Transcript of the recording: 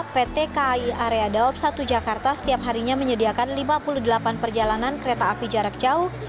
pt kai area dawab satu jakarta setiap harinya menyediakan lima puluh delapan perjalanan kereta api jarak jauh